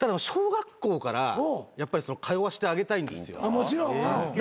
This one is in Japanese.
もちろん。